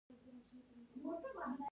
ذکر وکړئ